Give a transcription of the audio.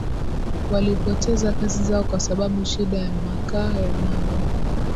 walipoteza kazi zao kwa sababu ya shida ya makaa ya mawe